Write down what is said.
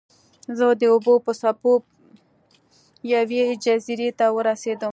زه د اوبو په څپو یوې جزیرې ته ورسیدم.